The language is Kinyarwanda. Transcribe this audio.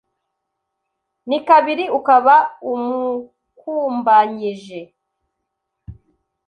Ni kabiri ukaba umukumbanyije